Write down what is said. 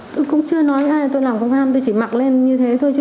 thì nhắn đây rõ ràng đây chị lại còn cãi gì